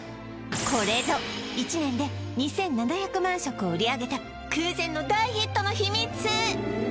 これぞ１年で２７００万食を売り上げた空前の大ヒットの秘密